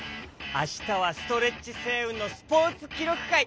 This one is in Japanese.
あしたはストレッチせいうんのスポーツきろくかい。